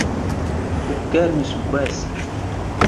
ⵓⴳⴳⴰⵔ ⵏ ⵓⵙⴳⴳⵯⴰⵙ